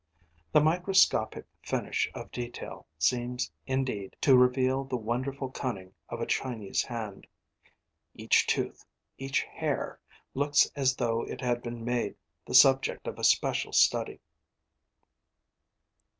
The microscopic finish of detail seems indeed to reveal the wonderful cunning of a Chinese hand: each tooth, each hair, looks as though it had been made the subject of a special study.